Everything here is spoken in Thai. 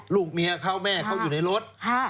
ลูกเมียเขาแม่เขาอยู่ในรถ